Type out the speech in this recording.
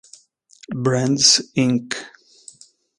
Brands, Inc..